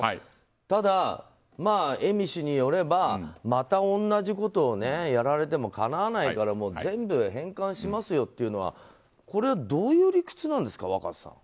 ただ、恵美氏によればまた同じことをやられてもかなわないから全部返還しますよっていうのはこれはどういう理屈なんですか若狭さん。